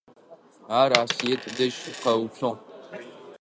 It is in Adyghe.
Ар Асыет дэжь къэуцугъ.